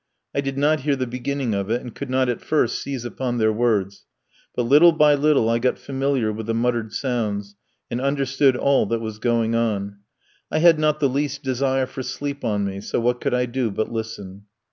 I did not hear the beginning of it, and could not at first seize upon their words, but little by little I got familiar with the muttered sounds, and understood all that was going on. I had not the least desire for sleep on me, so what could I do but listen.